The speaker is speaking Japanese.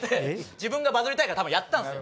自分がバズりたいから多分やったんすよ。